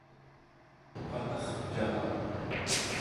qalarcaraq